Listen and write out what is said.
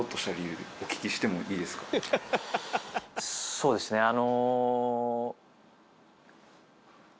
そうですねあの。